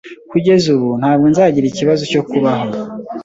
kugeza ubu, ntabwo nzagira ikibazo cyo kubaho.